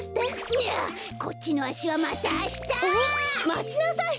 いやこっちのあしはまたあした！まちなさい！